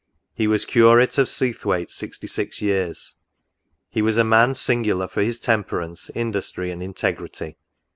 He was curate of Seathwaite sixty six years. He was a man singu lar for his temperance, industry, and integrity."